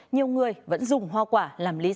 nhiều người vẫn dùng hoa quả làm việc